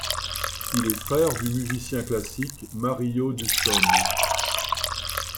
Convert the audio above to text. Il est frère du musicien classique Mario Duschenes.